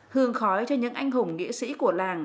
hương khói cho những anh hùng nghĩa sĩ của làng